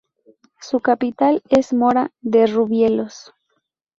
Su capital es Mora de Rubielos.